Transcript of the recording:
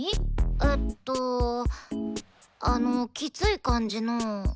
えっとあのきつい感じの。